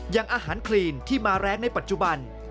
อย่างอาหารคลีนที่มาแรงในปัจจุบัน